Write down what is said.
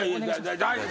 大丈夫。